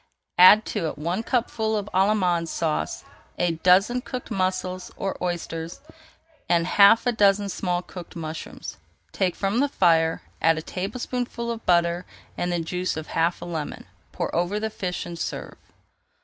Add to it one cupful of Allemande Sauce, a dozen cooked mussels or oysters, and half a dozen small cooked mushrooms. Take from the fire, add a tablespoonful of butter and the juice of half a lemon. Pour over the fish and serve.